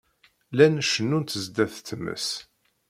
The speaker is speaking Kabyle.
Llant cennunt sdat tmes.